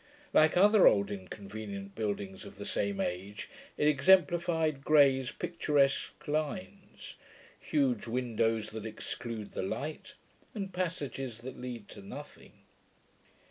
Like other old inconvenient buildings of the same age, it exemplified Gray's picturesque lines, Huge windows that exclude the light. And passages that lead to nothing.